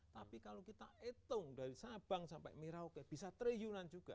tapi kalau kita hitung dari sabang sampai merauke bisa triliunan juga